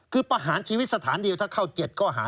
คือประหารชีวิตสถานเดียวถ้าเข้า๗ข้อหา